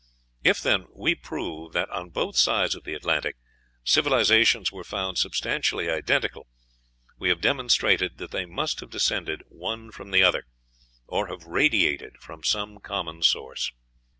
If, then, we prove that, on both sides of the Atlantic, civilizations were found substantially identical, we have demonstrated that they must have descended one from the other, or have radiated from some common source.